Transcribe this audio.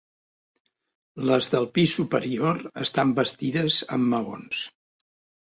Les del pis superior estan bastides amb maons.